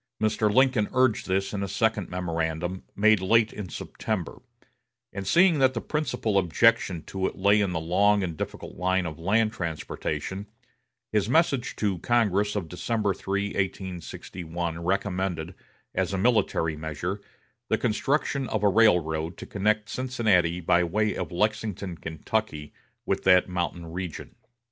Mr. Lincoln urged this in a second memorandum, made late in September; and seeing that the principal objection to it lay in the long and difficult line of land transportation, his message to Congress of December 3, 1861, recommended, as a military measure, the construction of a railroad to connect Cincinnati, by way of Lexington, Kentucky, with that mountain region.